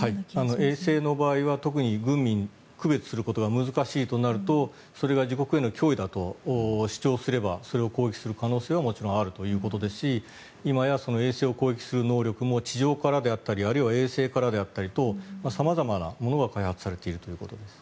衛星の場合は特に軍民、区別することが難しいとなるとそれが自国への脅威だと主張すればそれを攻撃する可能性はもちろんあるということですし今や衛星を攻撃する能力も地上からであったり衛星からであったりと様々なものが開発されているということです。